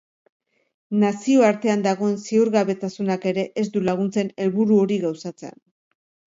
Nazioartean dagoen ziurgabetasunak ere ez du laguntzen helburu hori gauzatzen.